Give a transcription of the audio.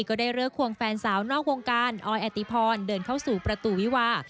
ก็ได้เลิกควงแฟนสาวนอกวงการออยอติพรเดินเข้าสู่ประตูวิวา